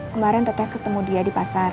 kemarin teteh ketemu dia di pasar